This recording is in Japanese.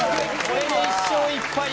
これで１勝１敗